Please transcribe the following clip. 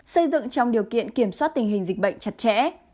xây dựng trong điều kiện kiểm soát tình hình dịch bệnh chặt chẽ